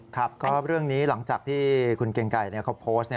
ครับก็เรื่องนี้หลังจากที่คุณเก่งไก่เขาโพสต์